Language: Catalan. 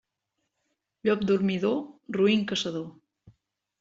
Llop dormidor, roín caçador.